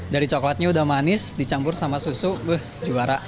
dari coklatnya udah manis dicampur sama susu juara